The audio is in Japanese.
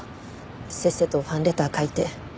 せっせとファンレター書いて。